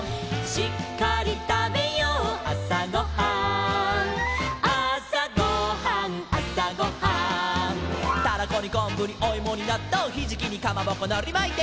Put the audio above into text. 「しっかりたべようあさごはん」「あさごはんあさごはん」「タラコにこんぶにおいもになっとう」「ひじきにかまぼこのりまいて」